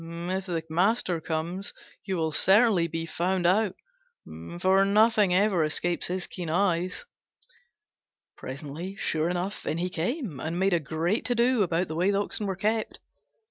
If the master comes, you will certainly be found out, for nothing ever escapes his keen eyes." Presently, sure enough, in he came, and made a great to do about the way the Oxen were kept.